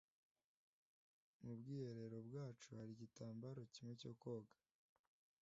Mu bwiherero bwacu hari igitambaro kimwe cyo koga.